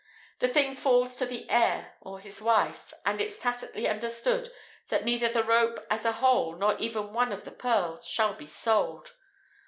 The thing falls to the heir, or his wife; and it's tacitly understood that neither the rope as a whole, nor even one of the pearls, shall be sold.